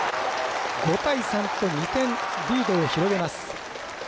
５対３と２点リードを広げます。